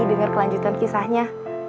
dengar kelanjutan kisahnya